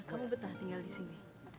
kamu betah tinggal di sini